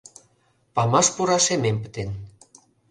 Памаш пура шемем пытен.